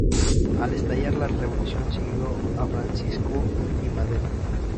Al estallar la Revolución, siguió a Francisco I. Madero.